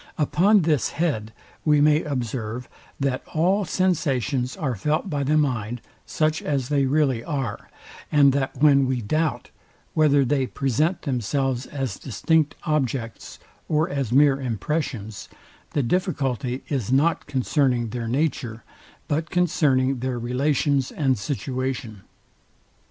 Upon this bead we may observe, that all sensations are felt by the mind, such as they really are, and that when we doubt, whether they present themselves as distinct objects, or as mere impressions, the difficulty is not concerning their nature, but concerning their relations and situation.